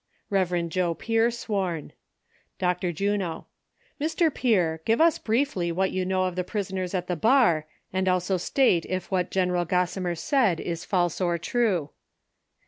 Rev. Joe Pier, sworn. Br. Juno. — Mr. Pier, give us briefly what you know of the prisoners at the bar, and also state if what Gen. Gossimer said is false or true.